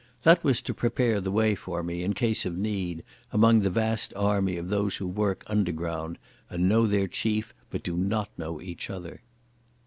That was to prepare the way for me, in case of need, among the vast army of those who work underground and know their chief but do not know each other.